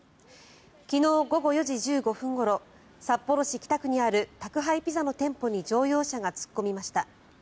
昨日午後４時１５分ごろ札幌市北区にある宅配ピザの店舗に乗用車が突っ込みました。